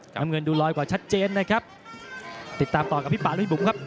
น้ำเงินดูลอยกว่าชัดเจนนะครับติดตามต่อกับพี่ป่าลุยบุ๋มครับ